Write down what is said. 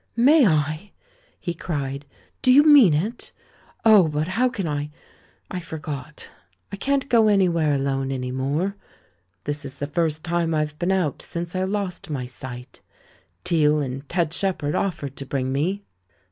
"May I?" he cried. "Do you mean it? Oh, but how can I — I forgot! I can't go anywhere alone any more. This is the first time I've been out since I lost my sight — Teale and Ted Shep herd offered to bring me."